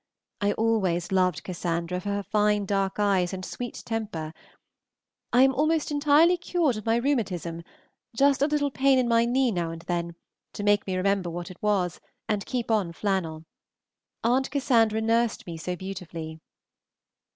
I always loved Cassandra for her fine dark eyes and sweet temper. I am almost entirely cured of my rheumatism, just a little pain in my knee now and then, to make me remember what it was, and keep on flannel. Aunt Cassandra nursed me so beautifully.